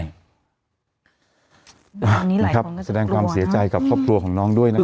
อันนี้หลายคนก็จะกลัวนะครับแสดงความเสียใจกับครอบครัวของน้องด้วยนะครับ